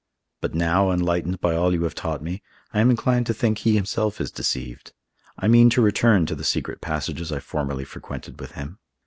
But now, enlightened by all you have taught me, I am inclined to think he himself is deceived. I mean to return to the secret passages I formerly frequented with him.